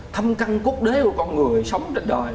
thâm căng cốt đế của con người sống trên đời